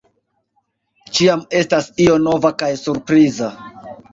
Ĉiam estas io nova kaj surpriza.